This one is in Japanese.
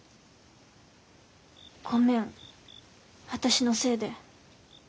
ごめん私のせいで。